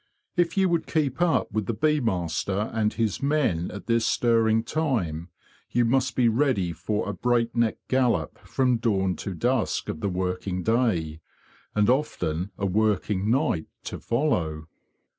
If you would keep up with the bee master and his men at this stirring time, you must be ready for a break neck gallop from dawn to dusk of the working day, and often a working night to follow.